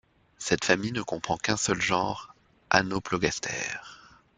Cette famille ne comprend qu'un seul genre, Anoplogaster.